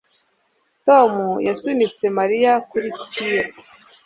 Tom yasunitse Mariya kuri pir